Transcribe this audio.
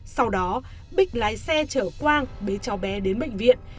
sau đó bích lái xe chở quang bế cháu bé đến bệnh viện